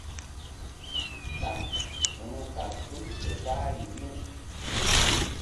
Ɗaŋ ru̧kal tul fe kpahri riw.